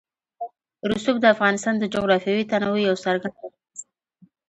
رسوب د افغانستان د جغرافیوي تنوع یو څرګند او ښه مثال دی.